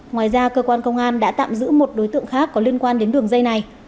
ngoài ra cơ quan công an đã tạm giữ một đối tượng khác có liên quan đến đường dây này